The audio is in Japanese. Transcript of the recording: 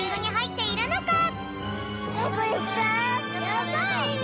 やばいよ！